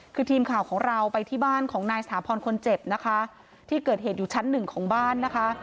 คือทีมข่าวของเราไปที่บ้านของนายสถาพรคนเจ็บนะคะที่เกิดเหตุอยู่ชั้นหนึ่งของบ้านนะคะ